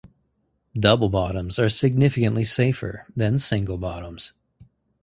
Double bottoms are significantly safer than single bottoms.